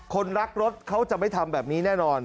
คนรักรถเขาจะไม่ทำแบบนี้แน่นอน